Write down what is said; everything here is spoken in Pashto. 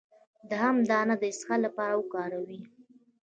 د ام دانه د اسهال لپاره وکاروئ